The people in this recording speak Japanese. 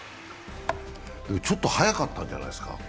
ちょっと早かったんじゃないですか？